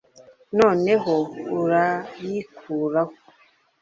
noneho urayikuraho